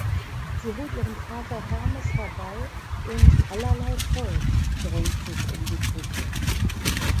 Sie holt ihren Vater Hermes herbei und „allerlei Volk“ drängt sich um die Gruppe.